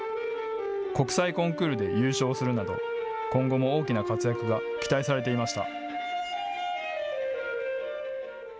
国際コンクールで優勝するなど今後も大きな活躍が期待されていました。